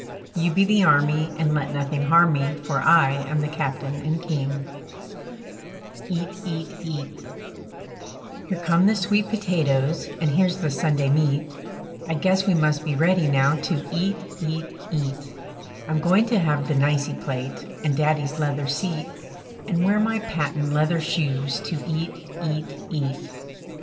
You be the army And let nothing harm me For I am the captain and king. [Illustration: WE'RE GOING TO HAVE A TREAT] EAT, EAT, EAT Here come the sweet potatoes And here's the Sunday meat, I guess we must be ready now To eat, eat, eat. I'm going to have the nicey plate And Daddy's leather seat, And wear my patent leather shoes To eat, eat, eat.